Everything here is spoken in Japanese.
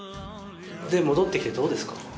戻ってきてどうですか？